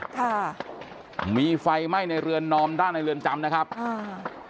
ค่ะมีไฟไหม้ในเรือนนอมด้านในเรือนจำนะครับอ่า